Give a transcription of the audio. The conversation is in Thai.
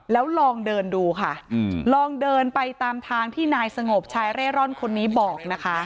แล้วลองเดินดูค่ะลองเดินไปตามทางที่นายสงบชายเร่ร่อนคนนี้บอกนะคะ